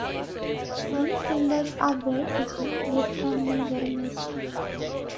These cymbals are very pretty, yet can be very nasty.